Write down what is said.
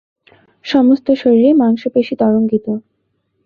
সমস্ত শরীরে মাংশপেশী তরঙ্গিত।